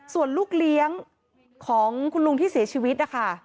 ส่วนลูกเลี้ยงของคุณลุงที่เสียชีวิตนะคะ